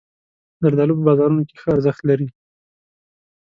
زردالو په بازارونو کې ښه ارزښت لري.